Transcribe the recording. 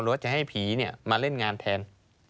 ว่าจะให้ผีมาเล่นงานแทน